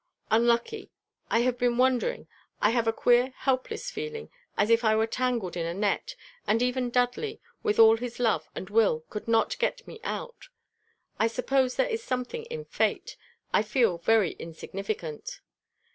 "Unlucky; I have been wondering. I have a queer helpless feeling, as if I were tangled in a net, and even Dudley, with all his love and will, could not get me out. I suppose there is something in fate. I feel very insignificant."